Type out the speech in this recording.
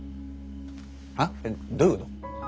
は？どういうこと？